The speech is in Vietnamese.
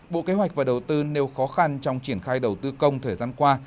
bộ kế hoạch và đầu tư nêu khó khăn trong triển khai đầu tư công thời gian qua